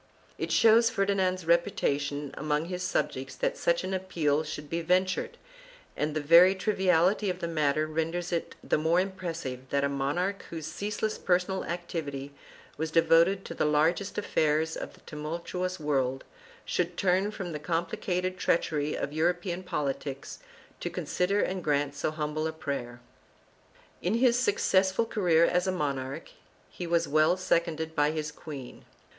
1 It shows Ferdinand's reputation among his subjects that such an appeal should be ventured, and the very triviality of the matter renders it the more impressive that a monarch, whose ceaseless personal activity was devoted to the largest affairs of that tumultuous world, should turn from the complicated treachery of European politics to consider and grant so humble a prayer. In his successful career as a monarch he was well seconded by his queen.